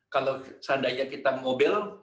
kalau seandainya kita mobil